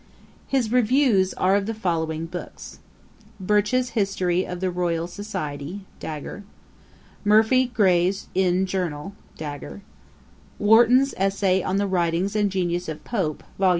Ætat 47.] His reviews are of the following books: 'Birch's History of the Royal Society;'[Dagger] 'Murphy's Gray's Inn Journal;'[Dagger] 'Warton's Essay on the Writings and Genius of Pope, Vol.